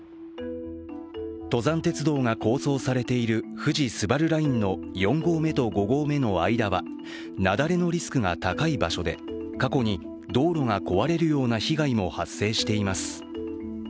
登山鉄道が構想されている富士スバルラインの４合目と５合目の間は雪崩のリスクが高い場所で、過去に道路が壊れるような被害も発生しています。